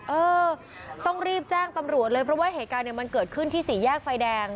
เออต้องรีบแจ้งตำรวจเลยเพราะว่าเหตุการณ์มันเกิดขึ้นที่สี่แยกไฟแดง